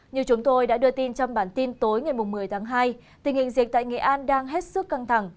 như chúng tôi đã đưa tin trong bản tin tối ngày một mươi tháng hai tình hình dịch tại nghệ an đang hết sức căng thẳng